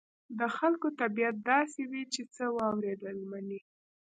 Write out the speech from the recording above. د خلکو طبيعت داسې وي چې څه واورېدل مني.